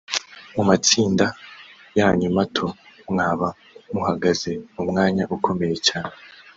mu matsinda yanyu mato mwaba muhagaze mu mwanya ukomeye cyane